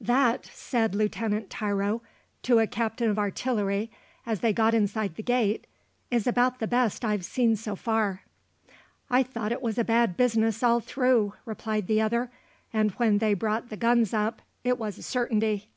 "That," said Lieutenant Tiro to a Captain of Artillery, as they got inside the gate, "is about the best I've seen so far." "I thought it was a bad business all through," replied the other; "and when they brought the guns up it was a certainty."